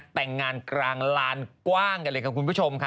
แต่งงานกลางลานกว้างกันเลยค่ะคุณผู้ชมค่ะ